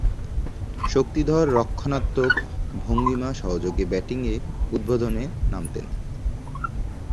শক্তিধর রক্ষণাত্মক ভঙ্গিমা সহযোগে ব্যাটিংয়ে উদ্বোধনে নামতেন।